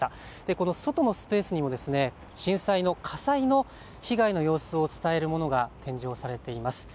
この外のスペースにも震災の火災の被害の様子を伝えるものが展示をされています。